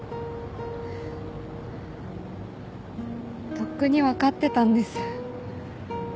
とっくに分かってたんです。